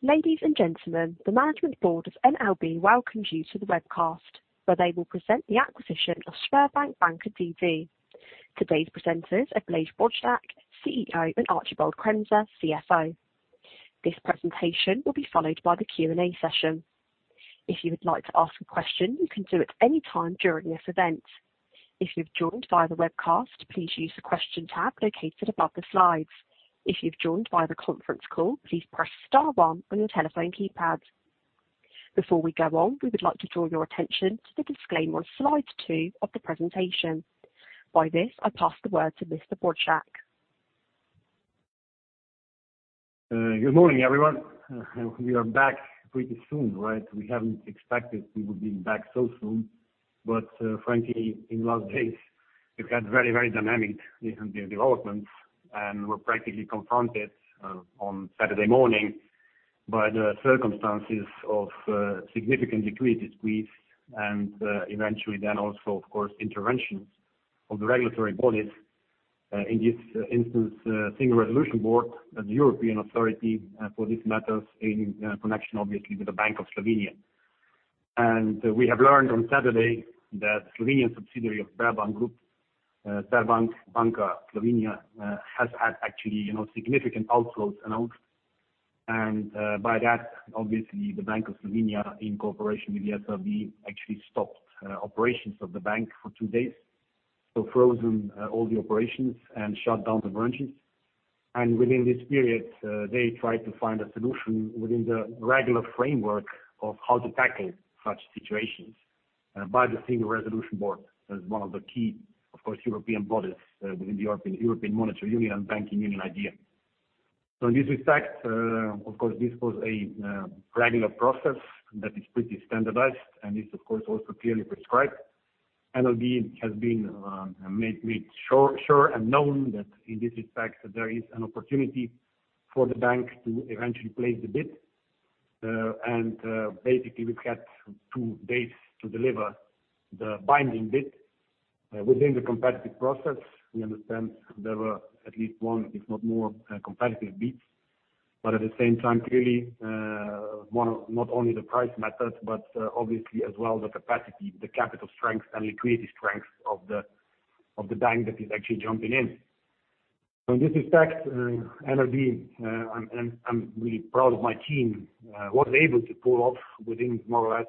Ladies and gentlemen, the management board of NLB welcomes you to the webcast, where they will present the acquisition of Sberbank banka d.d. Today's presenters are Blaž Brodnjak, CEO, and Archibald Kremser, CFO. This presentation will be followed by the Q&A session. If you would like to ask a question, you can do at any time during this event. If you've joined via the webcast, please use the question tab located above the slides. If you've joined via the conference call, please press star-one on your telephone keypad. Before we go on, we would like to draw your attention to the disclaimer on slide two of the presentation. By this, I pass the word to Mr. Brodnjak. Good morning, everyone. We are back pretty soon, right? We haven't expected we would be back so soon. Frankly, in last days, we've had very, very dynamic developments, and we're practically confronted on Saturday morning by the circumstances of significant liquidity squeeze, and eventually then also, of course, interventions of the regulatory bodies. In this instance, Single Resolution Board as European authority for these matters in connection, obviously, with the Bank of Slovenia. We have learned on Saturday that Slovenian subsidiary of Sberbank Group, Sberbank banka Slovenia, has had actually, you know, significant outflows amount. By that, obviously the Bank of Slovenia in cooperation with the SRB actually stopped operations of the bank for two days. Frozen all the operations and shut down the branches. Within this period, they tried to find a solution within the regular framework of how to tackle such situations by the Single Resolution Board as one of the key European bodies, of course, within the Economic and Monetary Union and Banking Union idea. In this respect, of course, this was a regular process that is pretty standardized and is, of course, also clearly prescribed. NLB has been made sure and known that in this respect, there is an opportunity for the bank to eventually place the bid. Basically, we've had two days to deliver the binding bid within the competitive process. We understand there were at least one, if not more, competitive bids, but at the same time, clearly, one not only the price matters, but obviously as well, the capacity, the capital strength, and liquidity strength of the bank that is actually jumping in. In this respect, NLB and I'm really proud of my team was able to pull off within more or less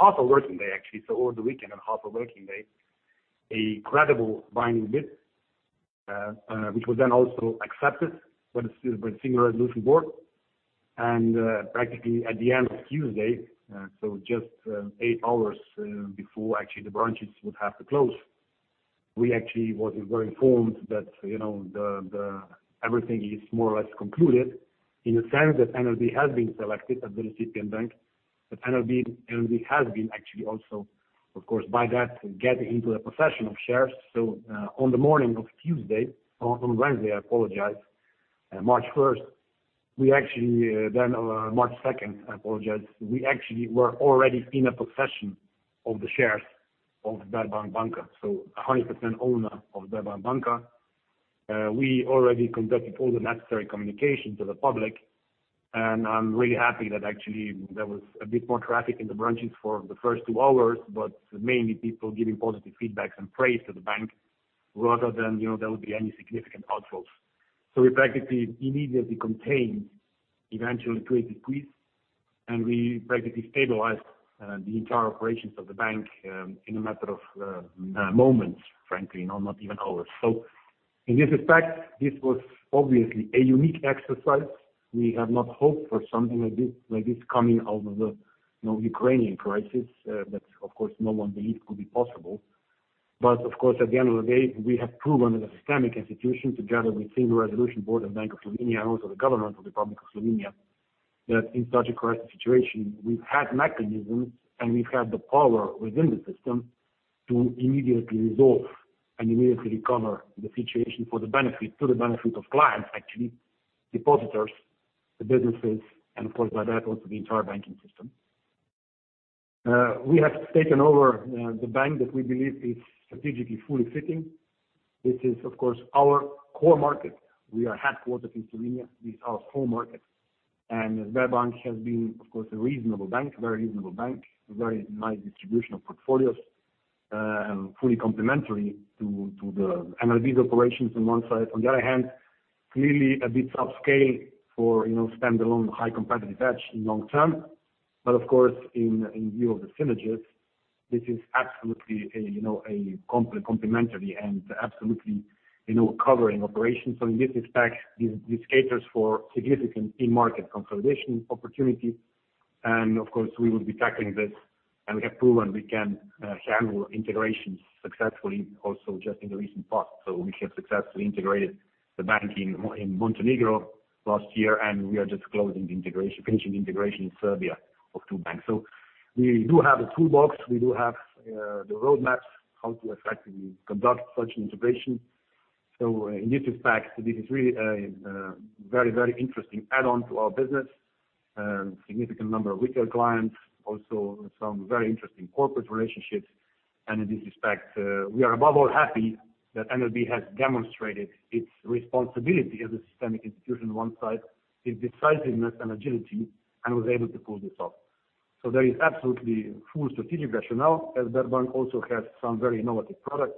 half a working day, actually, so over the weekend and half a working day, a credible binding bid, which was then also accepted by the Single Resolution Board. Practically at the end of Tuesday, so just eight hours before actually the branches would have to close, we actually were informed that, you know, everything is more or less concluded in the sense that NLB has been selected as the recipient bank, that NLB has been actually also, of course, by that, get into a possession of shares. On the morning of Tuesday, I apologize and much worse we actually done March 2nd, I apologize, we actually were already in a possession of the shares of Sberbank banka. 100% owner of Sberbank banka. We already conducted all the necessary communication to the public, and I'm really happy that actually there was a bit more traffic in the branches for the first two hours, but mainly people giving positive feedbacks and praise to the bank rather than, you know, there would be any significant outflows. We practically immediately contained eventually liquidity squeeze, and we practically stabilized the entire operations of the bank in a matter of moments, frankly, you know, not even hours. In this respect, this was obviously a unique exercise. We have not hoped for something like this, like this coming out of the, you know, Ukrainian crisis, that of course, no one believed could be possible. But, Of course, at the end of the day, we have proven as a systemic institution together with Single Resolution Board and Bank of Slovenia and also the government of the Republic of Slovenia, that in such a crisis situation, we've had mechanisms and we've had the power within the system to immediately resolve and immediately recover the situation to the benefit of clients, actually, depositors, the businesses, and of course, by that, also the entire banking system. We have taken over the bank that we believe is strategically fully fitting. This is, of course, our core market. We are headquartered in Slovenia. This is our home market. And Sberbank has been, of course, a reasonable bank, very reasonable bank, a very nice distribution of portfolios, and fully complementary to the NLB's operations on one side. On the other hand, clearly a bit upscale for, you know, standalone high competitive edge in long term. Of course, in view of the synergies, this is absolutely a, you know, a complementary and absolutely, you know, covering operations. In this respect, this caters for significant in-market consolidation opportunity. Of course, we will be tackling this, and we have proven we can handle integrations successfully also just in the recent past. We have successfully integrated the bank in Montenegro last year, and we are just finishing the integration in Serbia of two banks. We do have the toolbox, we do have the roadmaps how to effectively conduct such integration. In this respect, this is really a very interesting add-on to our business. A significant number of retail clients, also some very interesting corporate relationships. In this respect, we are above all happy that NLB has demonstrated its responsibility as a systemic institution on one side, its decisiveness and agility, and was able to pull this off. There is absolutely full strategic rationale, as Sberbank also has some very innovative products,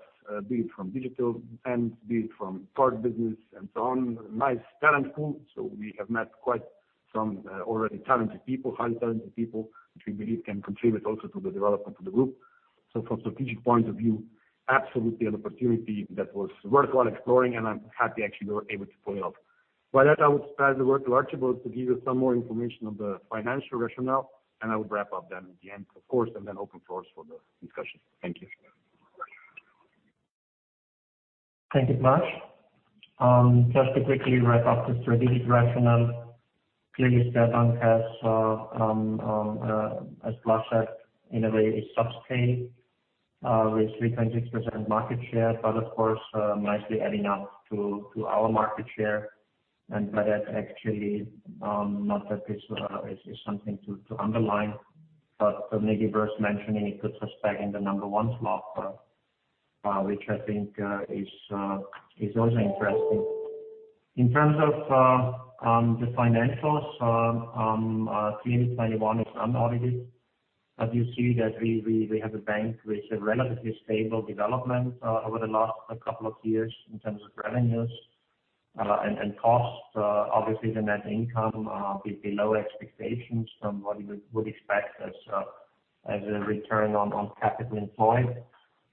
be it from digital and be it from card business and so on. Nice talent pool. We have met quite some already talented people, highly talented people, which we believe can contribute also to the development of the group. From strategic point of view, absolutely an opportunity that was worthwhile exploring, and I'm happy actually we were able to pull this off. With that, I would pass the word to Archibald to give you some more information on the financial rationale, and I would wrap up then at the end, of course, and then open the floor for the discussion. Thank you. Thank you, Blaž. Just to quickly wrap up the strategic rationale. Clearly, Sberbank has, as Blaž said, in a way a subscale with 3.6% market share, but of course, nicely adding up to our market share. By that actually, not that this is something to underline, but maybe worth mentioning, it puts us back in the number one slot, which I think is also interesting. In terms of the financials, clearly 2021 is unaudited. But you see that we have a bank with a relatively stable development over the last couple of years in terms of revenues and costs. Obviously the net income a bit below expectations from what you would expect as a return on capital employed.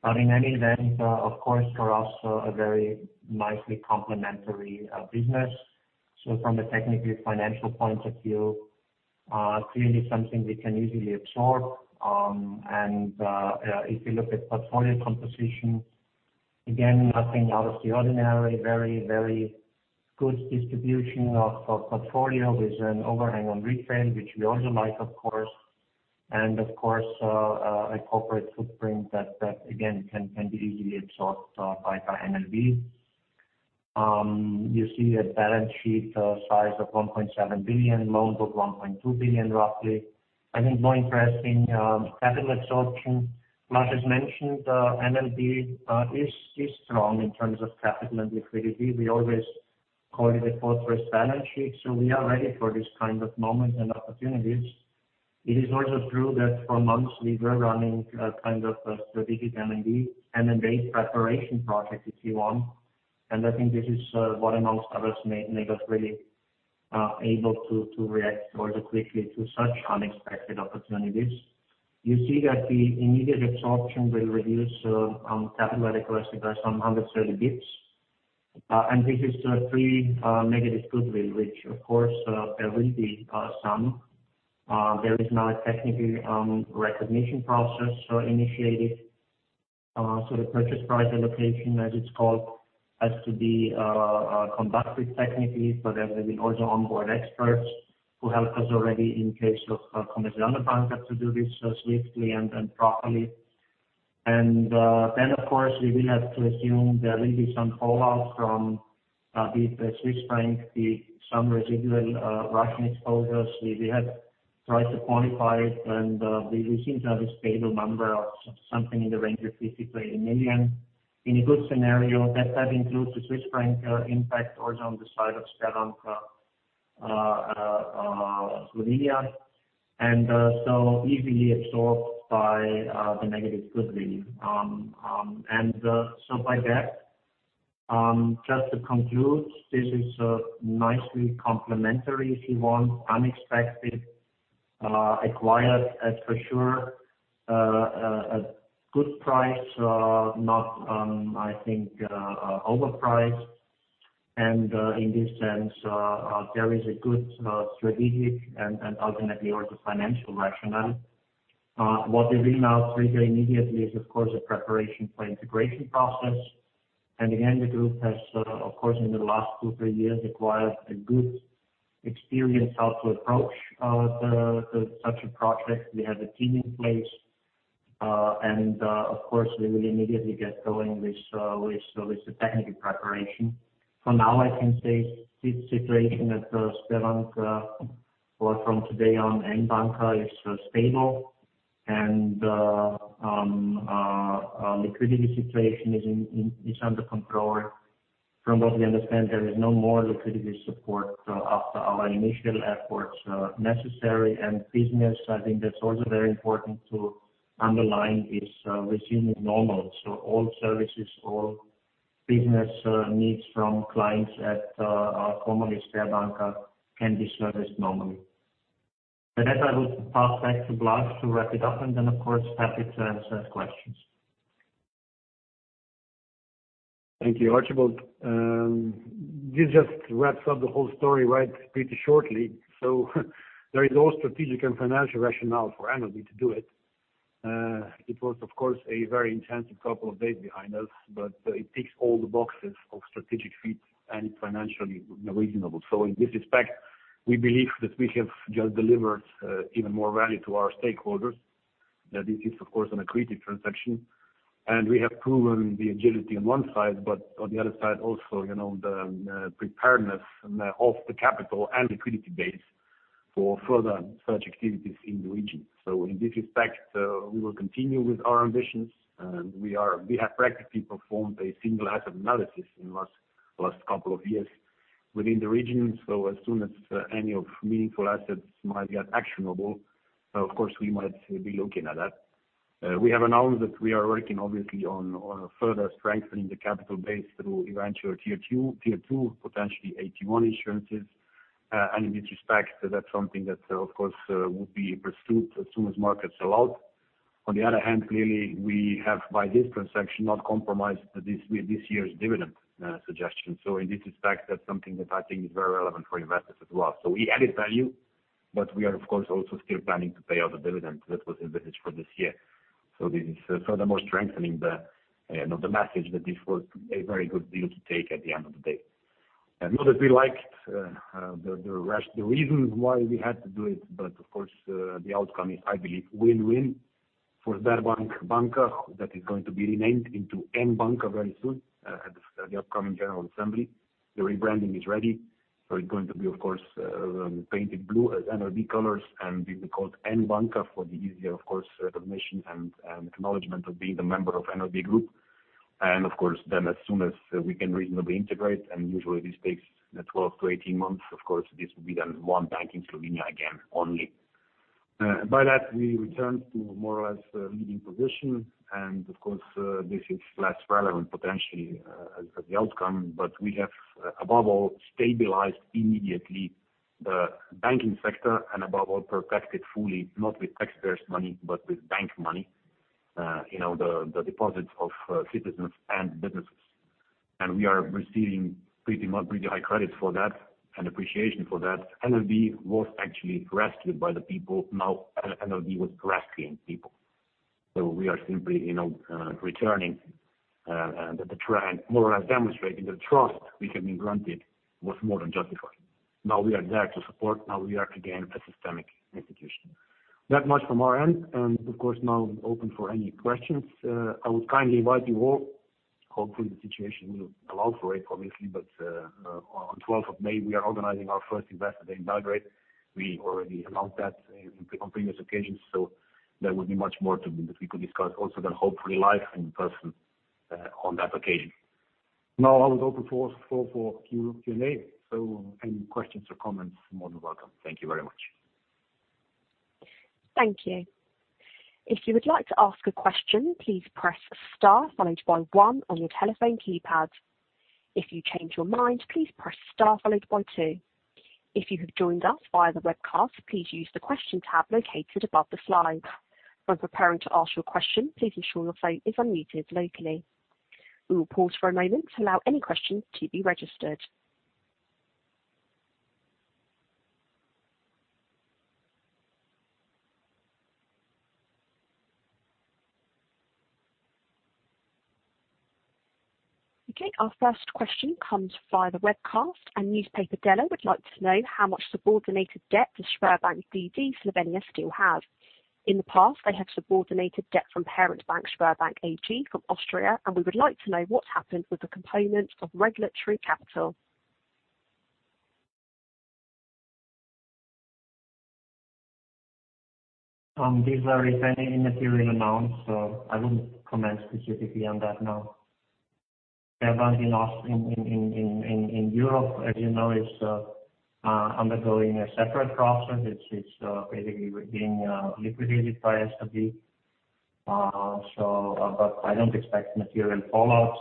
In any event, of course, for us a very nicely complementary business. From a technically financial point of view, clearly something we can easily absorb. If you look at portfolio composition, again, nothing out of the ordinary, very good distribution of portfolio. There's an overhang on retail, which we also like, of course. Of course, a corporate footprint that again can be easily absorbed by NLB. You see a balance sheet size of 1.7 billion, loans of 1.2 billion, roughly. I think more interesting capital absorption. Blaž has mentioned NLB is strong in terms of capital and liquidity. We always call it a fortress balance sheet, so we are ready for this kind of moment and opportunities. It is also true that for months we were running a kind of a strategic M&A preparation project, if you want. I think this is what amongst others made us really able to react rather quickly to such unexpected opportunities. You see that the immediate absorption will reduce capital adequacy by some 130 basis points. This is pre-negative goodwill, which of course there will be some. There is now a technical recognition process initiated. The purchase price allocation, as it's called, has to be conducted technically. There will be also onboard experts who help us already in case of Komercijalna Banka have to do this swiftly and properly. Then of course, we will have to assume there will be some fallout from the Swiss franc, some residual Russian exposures. We have tried to quantify it and we seem to have a stable number of something in the range of 50 million-80 million. In a good scenario that includes the Swiss franc impact also on the side of Sberbank Slovenia. Easily absorbed by the negative goodwill. By that, just to conclude, this is nicely complementary if you want, unexpected, acquired at for sure a good price, not, I think, overpriced. In this sense, there is a good strategic and ultimately also financial rationale. What we will now trigger immediately is of course a preparation for integration process. The group has, of course in the last 2-3 years acquired a good experience how to approach the such a project. We have a team in place. We will immediately get going with the technical preparation. For now, I can say this situation at Sberbank or from today on N Banka is stable and liquidity situation is under control. From what we understand, there is no more liquidity support after our initial efforts necessary. Business, I think that's also very important to underline, is resuming normal. All services, all business, needs from clients at, our formerly Sberbank, can be serviced normally. With that I will pass back to Blaž to wrap it up and then of course happy to answer questions. Thank you, Archibald. You just wrapped up the whole story, right, pretty shortly. There is all strategic and financial rationale for NLB to do it. It was of course a very intensive couple of days behind us, but it ticks all the boxes of strategic fit and financially reasonable. In this respect, we believe that we have just delivered even more value to our stakeholders. Now this is of course an accretive transaction, and we have proven the agility on one side, but on the other side also, you know, the preparedness of the capital and liquidity base for further such activities in the region. In this respect, we will continue with our ambitions. We have practically performed a single asset analysis in the last couple of years within the region. As soon as any meaningful assets might get actionable, of course, we might be looking at that. We have announced that we are working obviously on further strengthening the capital base through eventual Tier 2, potentially AT1 issuances. In this respect, that's something that of course will be pursued as soon as markets allow it. On the other hand, clearly we have, by this transaction, not compromised this year's dividend suggestion. In this respect, that's something that I think is very relevant for investors as well. We added value, but we are of course also still planning to pay out the dividend that was envisioned for this year. This is furthermore strengthening the, you know, the message that this was a very good deal to take at the end of the day. Not that we liked the reasons why we had to do it, but of course the outcome is, I believe, win-win for Sberbank banka, that is going to be renamed into N Banka very soon at the upcoming general assembly. The rebranding is ready, so it's going to be, of course, painted blue as NLB colors, and it will be called N Banka for the easier, of course, recognition and acknowledgement of being a member of NLB Group. Of course, then as soon as we can reasonably integrate, and usually this takes 12-18 months, of course, this will be then one bank in Slovenia again, only. By that we return to more or less leading position and of course this is less relevant potentially as the outcome. We have above all stabilized immediately the banking sector and above all protected fully, not with taxpayers' money, but with bank money, you know, the deposits of citizens and businesses. We are receiving pretty high credits for that and appreciation for that. NLB was actually rescued by the people, now NLB was rescuing people. We are simply, you know, returning the trust more or less demonstrating the trust we have been granted was more than justified. Now we are there to support. Now we are again, a systemic institution. That much from our end, and of course, now open for any questions. I would kindly invite you all, hopefully the situation will allow for it, obviously, but on May 12th, we are organizing our first Investor Day in Belgrade. We already announced that in the previous occasion, so there would be much more to be that we could discuss also then hopefully live in person, on that occasion. Now, I would open floor for Q&A. Any questions or comments are more than welcome. Thank you very much. Thank you, if you like to ask questions please press star-one-one on the telephone keypad if you change your mind please press star-one-two. Okay, our first question comes via the webcast, and newspaper Delo would like to know how much subordinated debt does Sberbank Slovenia still have? In the past, they have subordinated debt from parent bank, Sberbank Europe AG from Austria, and we would like to know what happened with the component of regulatory capital. These are very immaterial amounts, so I wouldn't comment specifically on that now. Sberbank in Europe, as you know, is undergoing a separate process. It's basically being liquidated by SB. I don't expect material fallouts.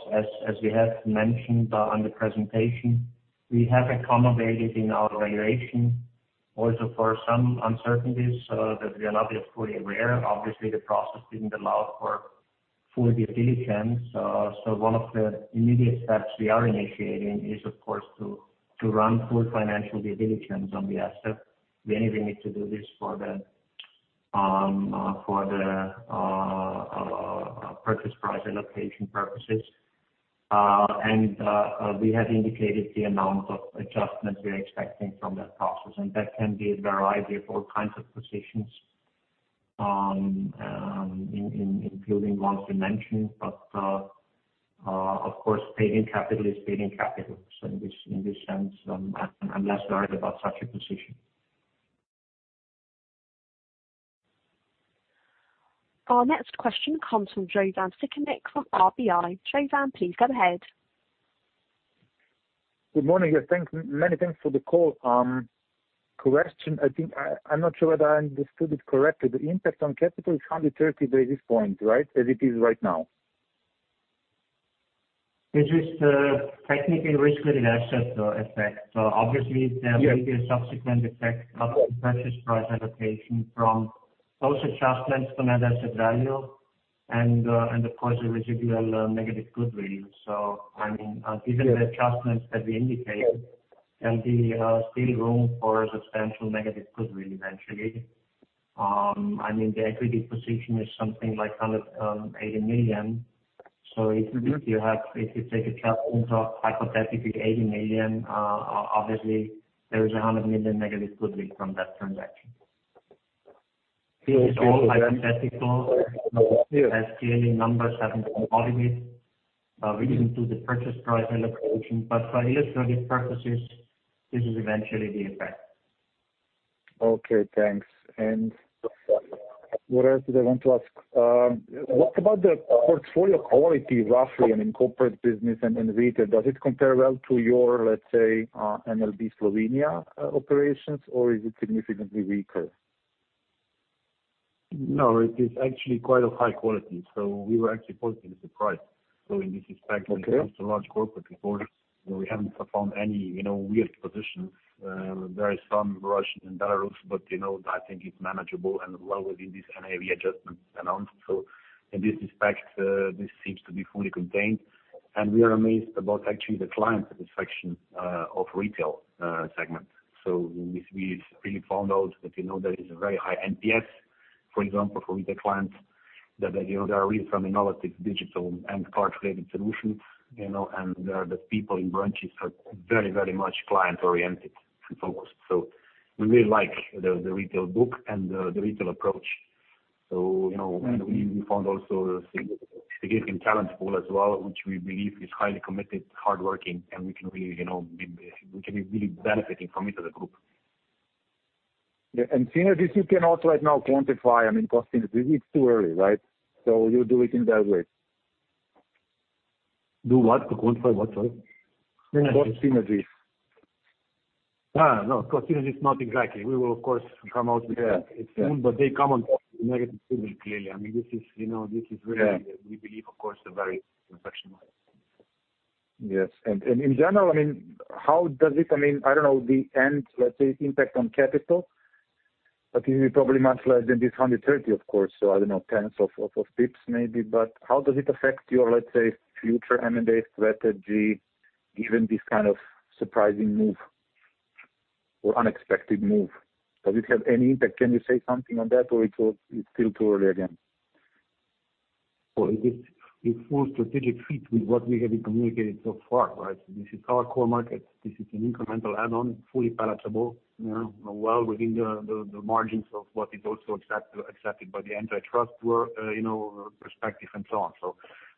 As we have mentioned on the presentation, we have accommodated in our valuation also for some uncertainties that we are not yet fully aware. Obviously, the process didn't allow for full due diligence. One of the immediate steps we are initiating is of course to run full financial due diligence on the asset. We anyway need to do this for the purchase price allocation purposes. We have indicated the amount of adjustments we are expecting from that process, and that can be a variety of all kinds of positions, including ones you mentioned. Of course, paid-in capital is paid-in capital. I'm less worried about such a position. Our next question comes from Jovan Sikimic from RBI. Jovan, please go ahead. Good morning. Yeah, many thanks for the call. Question, I think I'm not sure whether I understood it correctly. The impact on capital is 130 basis points, right? As it is right now. This is the technical risk-weighted asset effect. Obviously Yeah. There will be a subsequent effect of the purchase price allocation from those adjustments to net asset value and of course, the residual negative goodwill. I mean, even the adjustments that we indicated can be, still room for substantial negative goodwill eventually. I mean the equity position is something like 180 million. If you do, if you take a cut into hypothetically 80 million, obviously there is 100 million negative goodwill from that transaction. This is all hypothetical. As clearly numbers haven't been audited, we didn't do the purchase price allocation. For illustrative purposes, this is eventually the effect. Okay, thanks. What else did I want to ask? What about the portfolio quality, roughly, I mean, corporate business and retail, does it compare well to your, let's say, NLB Slovenia operations or is it significantly weaker? No, it is actually quite high quality, so we were actually positively surprised. In this respect- Okay. When it comes to large corporate portfolio, we haven't found any, you know, weird positions. There is some Russian and Belarusian, but, you know, I think it's manageable and well within this NAV adjustment announced. In this respect, this seems to be fully contained. We are amazed about actually the client satisfaction of retail segment. We really found out that, you know, there is a very high NPS, for example, for retail clients that, you know, they are really fond of innovative digital and card-driven solutions, you know. The people in branches are very, very much client-oriented and focused. We really like the retail book and the retail approach. You know, we found also a significant talent pool as well, which we believe is highly committed, hardworking, and we can really, you know, which can be really benefiting from it as a group. Yeah. Synergies you cannot right now quantify, I mean, cost synergies it's too early, right? You'll do it in that way. Do what? To quantify what? Synergy. Cost synergies. No. Cost synergies not exactly. We will of course come out with it. Yeah. Yeah. soon, but they come on negative clearly. I mean, this is, you know, this is really Yeah. We believe of course a very exceptional. Yes. In general, I mean, how does it, I mean, I don't know the end, let's say, impact on capital, but it will be probably much less than this 130 of course. I don't know, tens of pips maybe. How does it affect your, let's say, future M&A strategy given this kind of surprising move or unexpected move? Does it have any impact? Can you say something on that or it's still too early again? Well, it's full strategic fit with what we have communicated so far, right? This is our core market. This is an incremental add-on, fully palatable, you know, well within the margins of what is also accepted by the antitrust authority, you know, perspective and so on.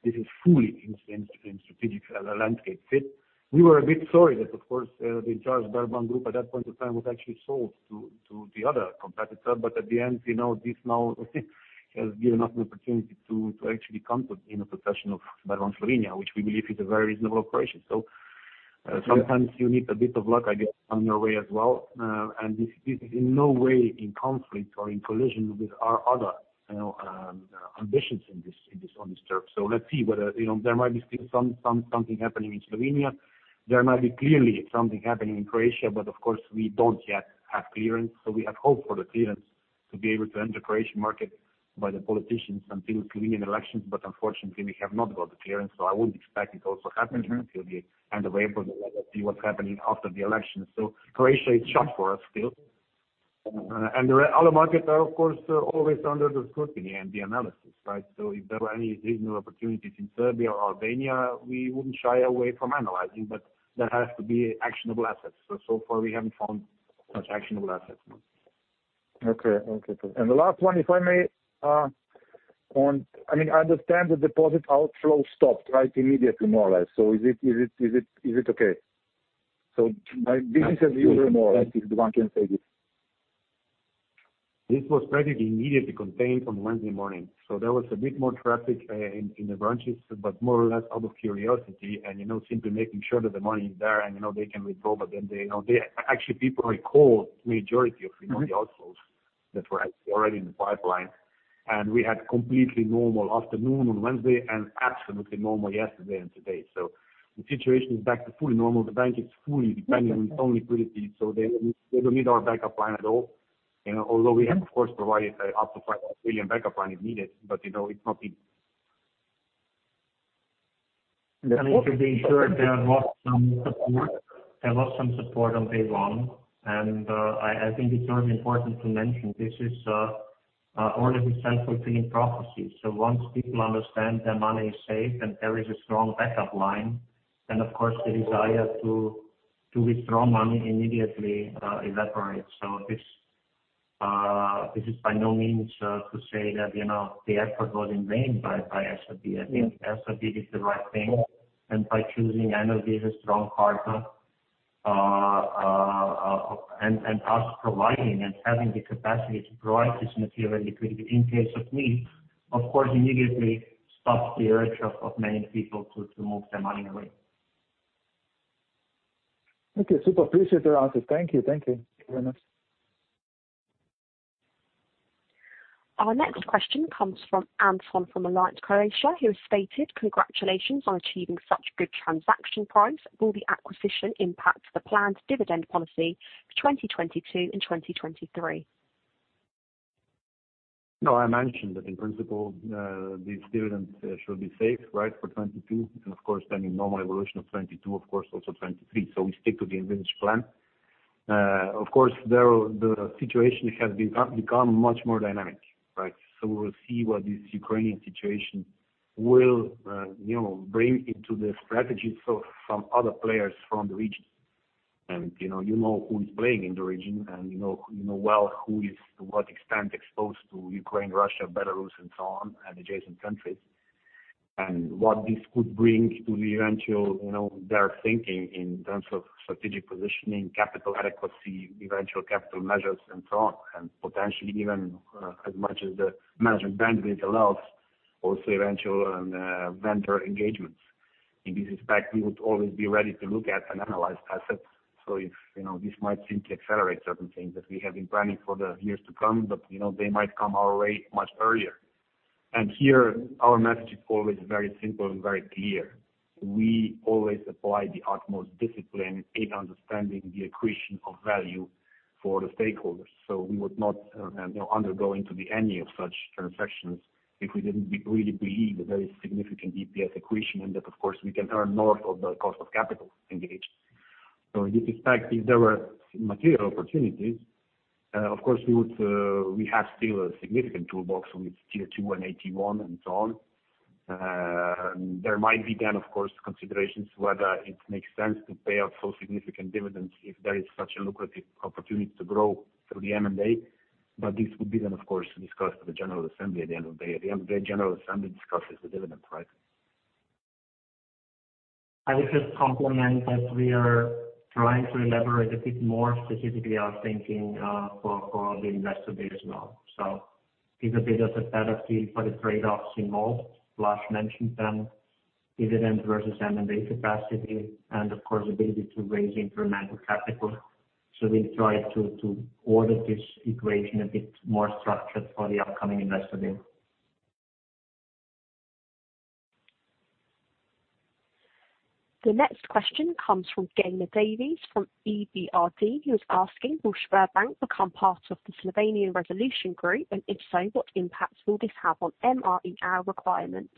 This is fully in strategic landscape fit. We were a bit sorry that of course, the entire Sberbank Group at that point of time was actually sold to the other competitor. At the end, you know, this now has given us an opportunity to actually come to, you know, possession of Sberbank Slovenia, which we believe is a very reasonable operation. Sometimes you need a bit of luck, I guess, on your way as well. This is in no way in conflict or in collision with our other, you know, ambitions in this, on this turf. Let's see whether, you know, there might be still some something happening in Slovenia. There might be clearly something happening in Croatia, but of course we don't yet have clearance. We have hoped for the clearance to be able to enter Croatian market by the politicians until Slovenian elections, but unfortunately we have not got the clearance, so I wouldn't expect it also happening. Mm-hmm. Until the end of April. We will see what's happening after the election. Croatia is shut for us still. The other markets are of course always under the scrutiny and the analysis, right? If there were any regional opportunities in Serbia or Albania, we wouldn't shy away from analyzing. That has to be actionable assets. So far we haven't found such actionable assets. Okay. The last one, if I may, I mean, I understand the deposit outflow stopped right, immediately more or less. Is it okay? This is a view more, if one can say this. This was practically immediately contained on Wednesday morning. There was a bit more traffic in the branches, but more or less out of curiosity and, you know, simply making sure that the money is there and, you know, they can withdraw. But then they, you know, actually people recalled majority of, you know, the outflows that were already in the pipeline. We had completely normal afternoon on Wednesday and absolutely normal yesterday and today. The situation is back to fully normal. The bank is fully independent on liquidity, so they don't need our backup plan at all. You know, although we have of course provided up to 5 billion backup plan if needed. You know, it's not in. I think, to be sure, they have lost some support. They lost some support on day one. I think it's very important to mention this in order to avoid a self-fulfilling prophecy. Once people understand their money is safe and there is a strong backup line, then of course the desire to withdraw money immediately evaporates. This is by no means to say that, you know, the effort was in vain by SRB. I think SRB did the right thing. By choosing NLB, a strong partner, and us providing and having the capacity to provide this material liquidity in case of need, of course immediately stops the urge of many people to move their money away. Okay. Super appreciate your answers. Thank you. Thank you very much. Our next question comes from Anton, from Allianz Croatia, who has stated, "Congratulations on achieving such good transaction price. Will the acquisition impact the planned dividend policy for 2022 and 2023? No, I mentioned that in principle, this dividend should be safe, right, for 2022. Of course, depending on normal evolution of 2022, of course, also 2023. We stick to the original plan. Of course, the situation has become much more dynamic, right? We will see what this Ukrainian situation will, you know, bring into the strategies for some other players from the region. You know who is playing in the region and you know well who is to what extent exposed to Ukraine, Russia, Belarus and so on, and adjacent countries. What this could bring to the eventual, you know, their thinking in terms of strategic positioning, capital adequacy, eventual capital measures and so on. Potentially even, as much as the management bandwidth allows, also eventual vendor engagements. In this respect, we would always be ready to look at and analyze assets. If, you know, this might seem to accelerate certain things that we have been planning for the years to come, but, you know, they might come our way much earlier. Here our message is always very simple and very clear. We always apply the utmost discipline in understanding the accretion of value for the stakeholders. We would not, you know, undergo into the any of such transactions if we didn't really believe a very significant DPS accretion and that of course, we can earn north of the cost of capital engaged. In this respect, if there were material opportunities, of course we would, we have still a significant toolbox with Tier 2 and AT1 and so on. There might be then of course considerations whether it makes sense to pay out so significant dividends if there is such a lucrative opportunity to grow through the M&A. This would be then of course, discussed at the General Assembly at the end of the day. At the end of the day, General Assembly discusses the dividend, right? I would just complement that we are trying to elaborate a bit more specifically our thinking for the Investor Day as well. Give a bit of a better feel for the trade-offs involved. Vlado mentioned them, dividend versus M&A capacity and of course the ability to raise incremental capital. We try to order this equation a bit more structured for the upcoming Investor Day. The next question comes from Gaynor Davies from EBRD, who is asking, will Sberbank become part of the Slovenian resolution group? If so, what impact will this have on MREL requirements?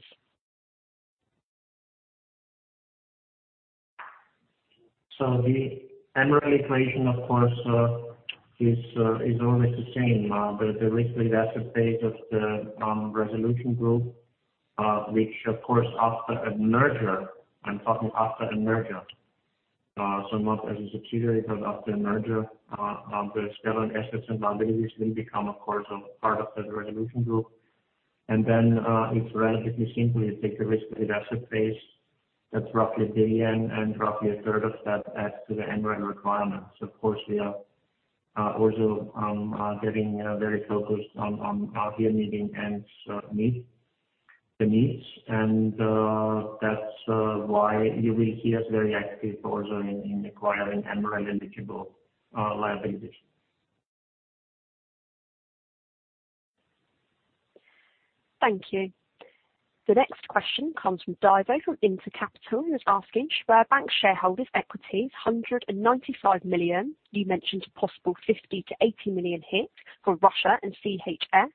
The MREL equation of course is always the same. The risk-weighted assets of the resolution group, which of course after a merger, I'm talking after a merger, so not as a subsidiary, but after a merger, the Sberbank assets and liabilities will become of course a part of the resolution group. It's relatively simple. You take the risk-weighted asset base. That's roughly 1 billion, and roughly a third of that adds to the MREL requirements. Of course, we are also getting very focused on meeting the MREL needs, and that's why you will see us very active also in acquiring MREL eligible liabilities. Thank you. The next question comes from Divo from InterCapital. He was asking Sberbank shareholders equities 195 million. You mentioned possible 50 million-80 million hit for Russia and CHF.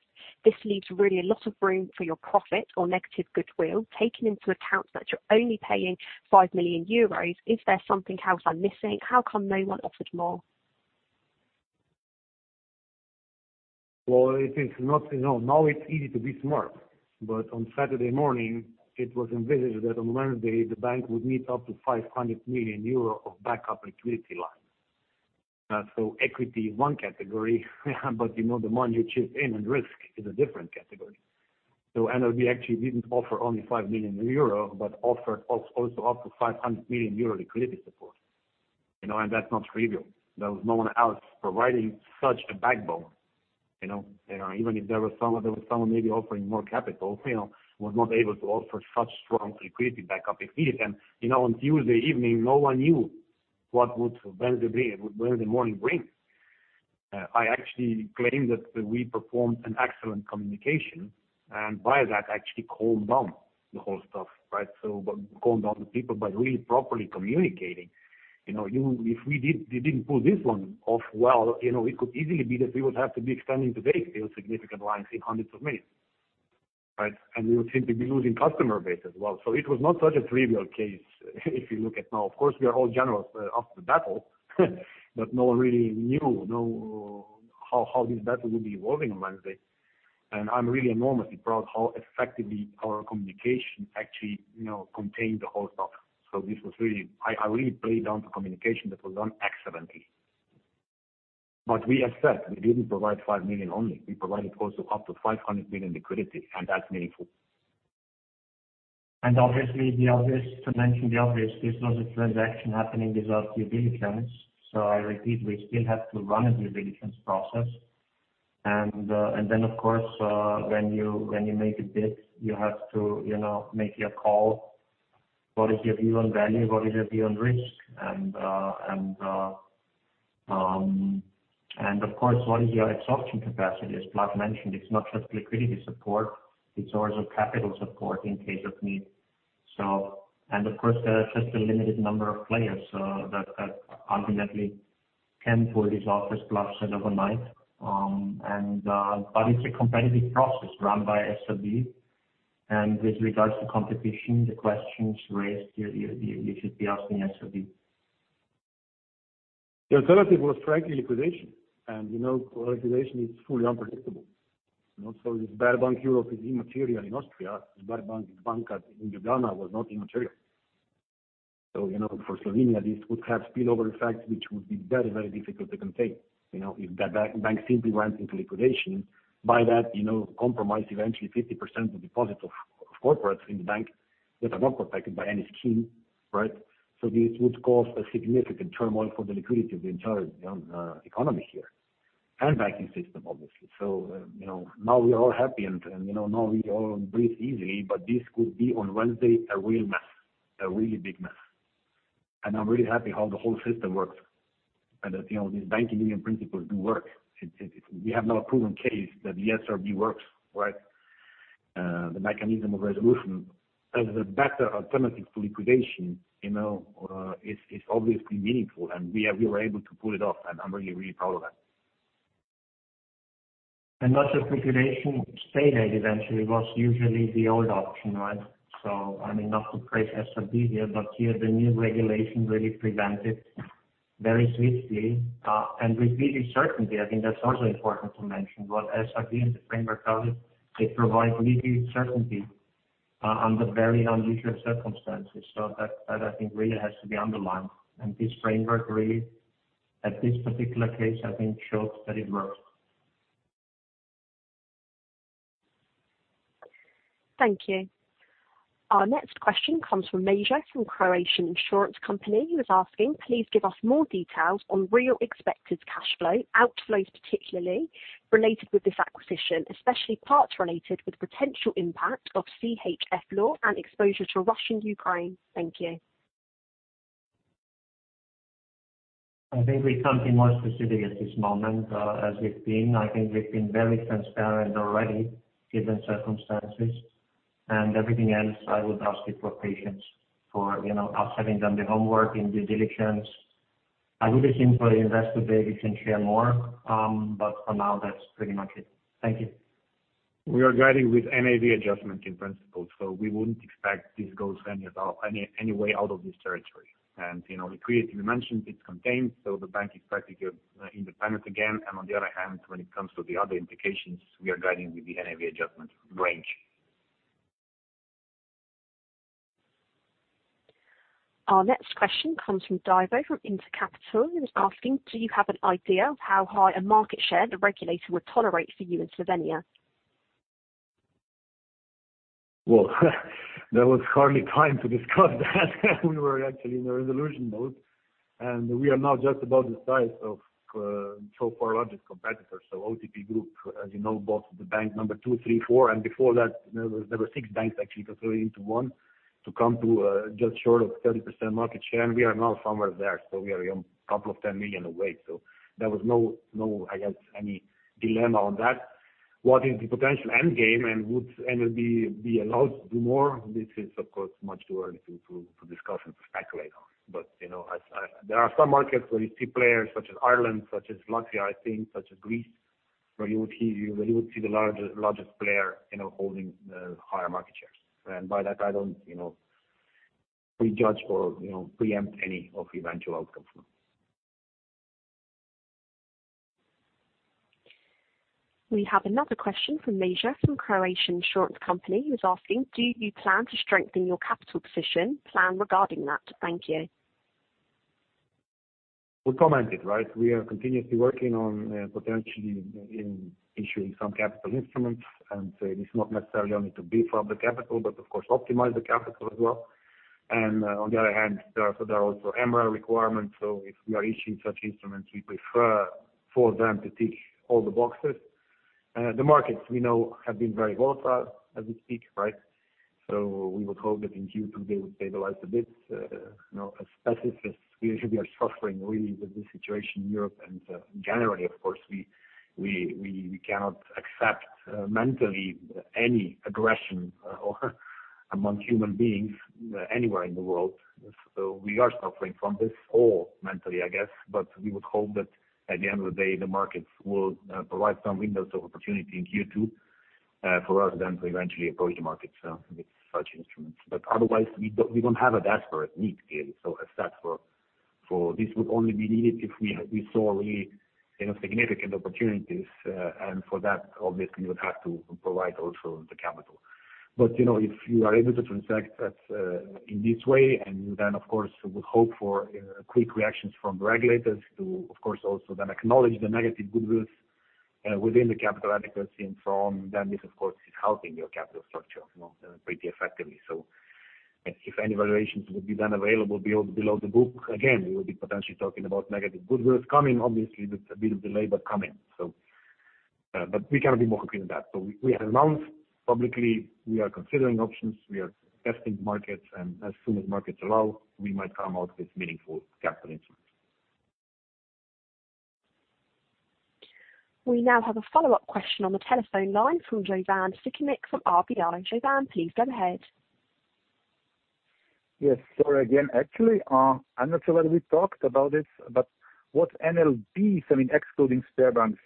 This leaves really a lot of room for your profit or negative goodwill. Taking into account that you're only paying 5 million euros, is there something else I'm missing? How come no one offered more? Well, it is not, you know, now it's easy to be smart, but on Saturday morning it was envisaged that on Monday the bank would need up to 500 million euro of backup liquidity line. Equity is one category, but you know, the money you chip in and risk is a different category. NLB actually didn't offer only 5 million euro, but offered also up to 500 million euro liquidity support. You know, that's not trivial. There was no one else providing such a backbone. You know, even if there was someone maybe offering more capital, you know, was not able to offer such strong liquidity backup if needed. You know, on Tuesday evening, no one knew what Wednesday morning would bring. I actually claim that we performed an excellent communication and by that actually calmed down the whole stuff, right? Calmed down the people by really properly communicating. You know, if we didn't pull this one off well, you know, it could easily be that we would have to be extending today still significant lines in EUR hundreds of millions, right? We would simply be losing customer base as well. It was not such a trivial case if you look at it now. Of course, we are all generals after the battle, but no one really knew how this battle will be evolving on Wednesday. I'm really enormously proud of how effectively our communication actually, you know, contained the whole stuff. This was really. I really play up the communication that was done excellently. We assert we didn't provide 5 million only. We provided also up to 500 million liquidity, and that's meaningful. Obviously, to mention the obvious, there's not a transaction happening without due diligence. I repeat, we still have to run a due diligence process. Then of course, when you make a bid, you have to, you know, make your call. What is your view on value? What is your view on risk? And of course, what is your absorption capacity? As Blaž Brodnjak mentioned, it's not just liquidity support, it's also capital support in case of need. There are just a limited number of players that ultimately came for this offer Blaž Brodnjak said overnight. It's a competitive process run by SRB. With regards to competition, the questions raised, you should be asking SRB. The alternative was frankly liquidation. You know, liquidation is fully unpredictable. You know, if Sberbank Europe is immaterial in Austria, Sberbank banka in Ljubljana was not immaterial. You know, for Slovenia, this would have spillover effects, which would be very, very difficult to contain. You know, if that bank simply went into liquidation by that, you know, compromise eventually 50% of deposits of corporates in the bank that are not protected by any scheme, right? This would cause a significant turmoil for the liquidity of the entire economy here and banking system, obviously. You know, now we are all happy and you know, now we all breathe easily. This could be on Wednesday, a real mess, a really big mess. I'm really happy how the whole system works and that, you know, these Banking Union principles do work. We have now a proven case that the SRB works, right? The mechanism of resolution as a better alternative to liquidation, you know, is obviously meaningful. We were able to pull it off, and I'm really, really proud of that. Not just liquidation, state aid eventually was usually the old option, right? I mean, not to praise SRB here, but here the new regulation really prevented very swiftly, and with legal certainty. I think that's also important to mention. What SRB and the framework does, it provides legal certainty, under very unusual circumstances. That I think really has to be underlined. This framework really at this particular case, I think shows that it works. Thank you. Our next question comes from Major from Croatia osiguranje, who is asking, "Please give us more details on real expected cash flow, outflows particularly related with this acquisition, especially parts related with potential impact of CHF law and exposure to Russia, Ukraine. Thank you. I think we can't be more specific at this moment, as we've been. I think we've been very transparent already, given circumstances and everything else. I would ask you for patience for, you know, us having done the homework and due diligence. I would assume for the Investor Day we can share more. But for now that's pretty much it. Thank you. We are guiding with NAV adjustment in principle, so we wouldn't expect this goes any way out of this territory. You know, the credit we mentioned it's contained, so the bank is practically independent again. On the other hand when it comes to the other implications, we are guiding with the NAV adjustment range. Our next question comes from Divo from InterCapital who is asking, "Do you have an idea of how high a market share the regulator would tolerate for you in Slovenia? Well, there was hardly time to discuss that. We were actually in a resolution mode, and we are now just about the size of so far largest competitor. OTP Group, as you know, bought the bank number two, three, four, and before that there were six banks actually consolidated into one to come to just short of 30% market share. We are now somewhere there. We are a couple of 10 million away. There was no, I guess, any dilemma on that. What is the potential end game and would NLB be allowed to do more? This is of course much too early to discuss and to speculate on. You know, as I... There are some markets where you see players such as Ireland, such as Latvia, I think such as Greece, where you would see the largest player, you know, holding higher market shares. By that, I don't, you know, prejudge or, you know, preempt any of eventual outcomes. We have another question from Major from Croatia osiguranje who's asking, "Do you plan to strengthen your capital position plan regarding that? Thank you. We commented, right. We are continuously working on potentially issuing some capital instruments. It's not necessarily only to beef up the capital, but of course optimize the capital as well. On the other hand, there are also MREL requirements. If we are issuing such instruments, we prefer for them to tick all the boxes. The markets we know have been very volatile as we speak, right? We would hope that in Q2 they would stabilize a bit. You know, as pacifists, we are suffering really with this situation in Europe. Generally of course, we cannot accept mentally any aggression among human beings anywhere in the world. We are suffering from this all mentally, I guess. We would hope that at the end of the day, the markets will provide some windows of opportunity in Q2 for us then to eventually approach the markets with such instruments. Otherwise we don't have a desperate need here. That for this would only be needed if we saw really, you know, significant opportunities. For that obviously we would have to provide also the capital. You know, if you are able to transact that in this way, and you then of course would hope for quick reactions from regulators to of course also then acknowledge the negative goodwill within the capital adequacy and from then this of course is helping your capital structure, you know, pretty effectively. If any valuations would then be available below the book, again, we would be potentially talking about negative goodwill coming obviously with a bit of delay, but coming. But we cannot be more clear than that. We have announced publicly we are considering options. We are testing markets and as soon as markets allow, we might come out with meaningful capital instruments. We now have a follow-up question on the telephone line from Jovan Sikimic from RBI. Jovan, please go ahead. Yes. Sorry again. Actually, I'm not sure whether we talked about this, but what about NLB, I mean excluding Sberbank's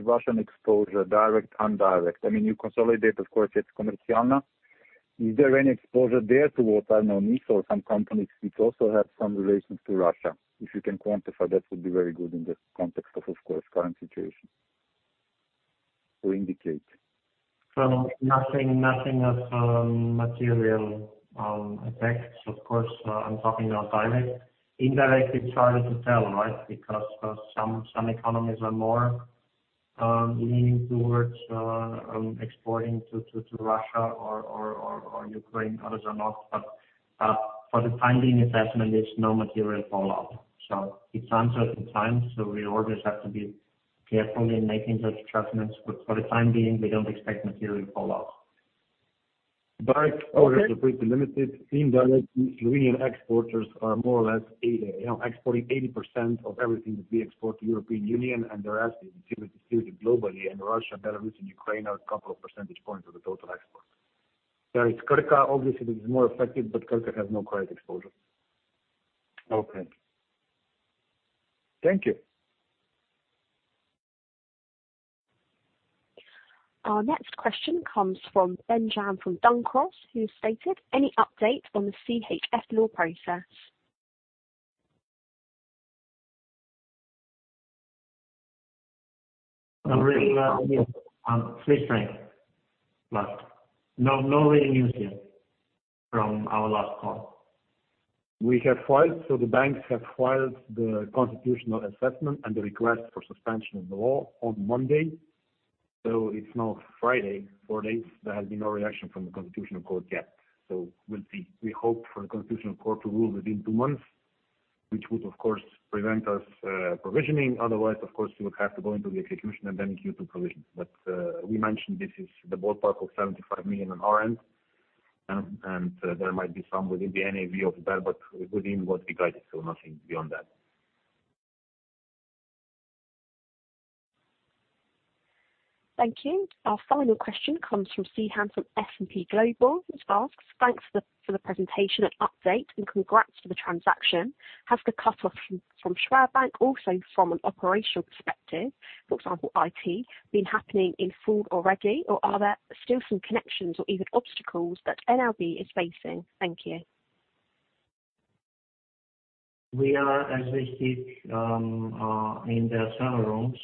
Russian exposure, direct and indirect. I mean, you consolidate, of course, Komercijalna now. Is there any exposure there towards, I don't know, missile, some companies which also have some relations to Russia? If you can quantify, that would be very good in the context of course, current situation. Or indicate. Nothing of material effects. Of course, I'm talking now direct. Indirect, it's harder to tell, right? Because some economies are more leaning towards exporting to Russia or Ukraine, others are not. For the time being assessment, there's no material follow-up. It's uncertain times, so we always have to be carefully in making such judgments. For the time being, we don't expect material falloff. Direct orders are pretty limited. Indirectly, Slovenian exporters are more or less, you know, exporting 80% of everything that we export to European Union and the rest is distributed globally, and Russia, Belarus, and Ukraine are a couple of percentage points of the total export. There is Krka, obviously, this is more affected, but Krka has no credit exposure. Okay. Thank you. Our next question comes from Benjamin from Duncross, who stated, "Any update on the CHF law process? Not really yet, No real news here from our last call. We have filed. The banks have filed the constitutional assessment and the request for suspension of the law on Monday. It's now Friday, four days, there has been no reaction from the constitutional court yet. We'll see. We hope for the constitutional court to rule within two months, which would of course prevent us provisioning. Otherwise, of course, we would have to go into the execution and then queue to provision. But we mentioned this is the ballpark of 75 million on our end. And there might be some within the NAV of that, but within what we guided, so nothing beyond that. Thank you. Our final question comes from Sehan from S&P Global, which asks, "Thanks for the presentation and update and congrats for the transaction. Has the cut off from Sberbank also from an operational perspective, for example, IT, been happening in full already or are there still some connections or even obstacles that NLB is facing? Thank you. We are as we speak in their server rooms.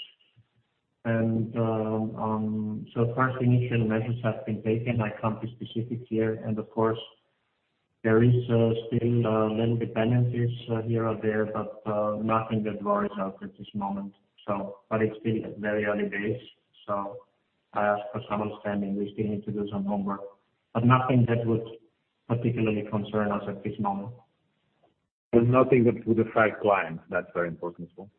First initial measures have been taken. I can't be specific here. Of course, there is still little dependencies here or there, but nothing that worries us at this moment. It's still at very early days, so I ask for some understanding. We still need to do some homework. Nothing that would particularly concern us at this moment. There's nothing that would affect clients. That's very important as well.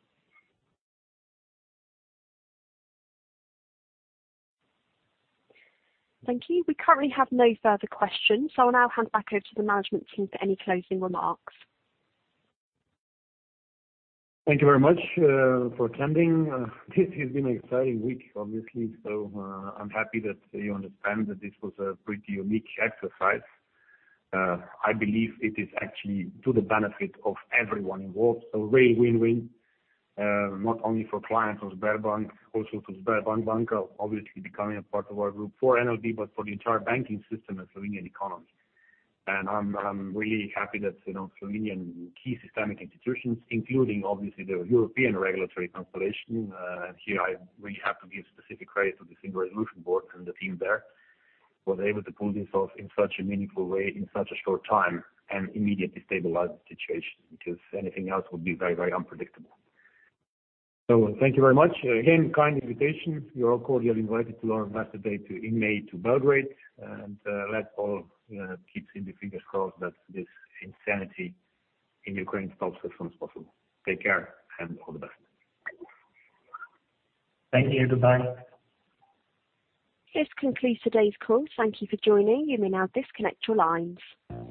Thank you. We currently have no further questions, so I'll now hand back over to the management team for any closing remarks. Thank you very much for attending. This has been an exciting week, obviously. I'm happy that you understand that this was a pretty unique exercise. I believe it is actually to the benefit of everyone involved. A real win-win, not only for clients of Sberbank, also for Sberbank bank, obviously becoming a part of our group for NLB, but for the entire banking system and Slovenian economy. I'm really happy that, you know, Slovenian key systemic institutions, including obviously the European regulatory constellation, and here I really have to give specific credit to the Single Resolution Board and the team there, was able to pull this off in such a meaningful way, in such a short time and immediately stabilize the situation. Because anything else would be very, very unpredictable. Thank you very much. Again, kind invitation. You're all cordially invited to our Investor Day in May in Ljubljana. Let's all keep our fingers crossed that this insanity in Ukraine stops as soon as possible. Take care and all the best. Thank you. Goodbye. This concludes today's call. Thank you for joining. You may now disconnect your lines.